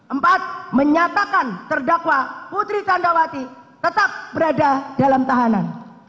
empat menyatakan terdakwa putri candrawati tetap berada dalam tahanan